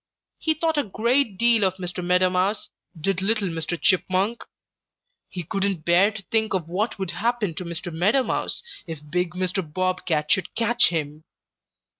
He thought a great deal of Mr. Meadow Mouse, did little Mr. Chipmunk. He couldn't bear to think of what would happen to Mr. Meadow Mouse if big Mr. Bob Cat should catch him.